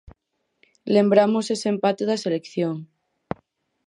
Lembramos ese empate da selección.